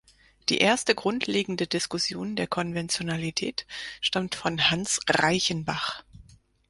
Die erste grundlegende Diskussion der Konventionalität stammt von Hans Reichenbach.